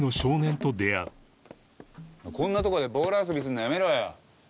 こんなとこでボール遊びするのやめろよ。